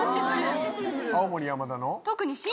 青森山田の？